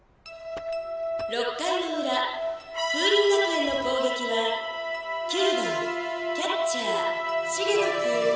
「６回の裏風林学園の攻撃は９番キャッチャー茂野くん」。